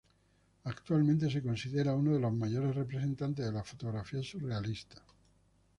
Actualmente se considera uno de los mayores representantes de la fotografía surrealista.